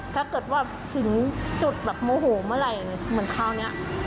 แบบว่าถึงจุดโมโหเมื่อไหร่เหมือนคราวนี้